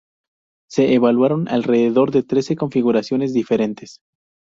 Se evaluaron alrededor de trece configuraciones diferentes.